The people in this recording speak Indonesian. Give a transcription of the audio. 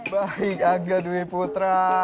baik aga dwi putra